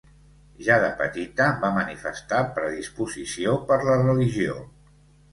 Ja de petita va manifestar predisposició per la religió.